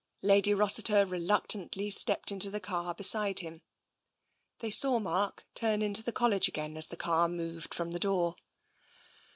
Lady Rossiter reluctantly stepped into the car beside him. They saw Mark turn into the College again as the car moved from the door.